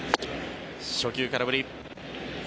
初球、空振り。